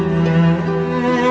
suara kamu indah sekali